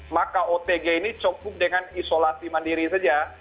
maka otg ini cukup dengan isolasi mandiri saja